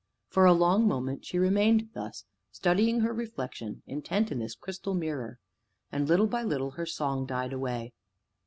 For a long moment she remained thus, studying her reflection intently in this crystal mirror, and little by little her song died away.